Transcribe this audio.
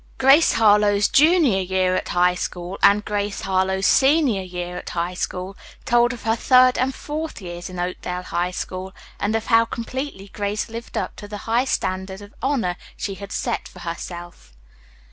"Grace Harlowe's Junior Year at High School" and "Grace Harlowe's Senior Year at High School" told of her third and fourth years in Oakdale High School and of how completely Grace lived up to the high standard of honor she had set for herself.